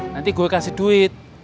nanti gue kasih duit